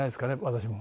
私も。